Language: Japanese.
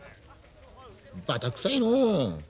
バタくさいのう。